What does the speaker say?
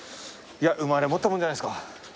生まれ持ったもんじゃないですか？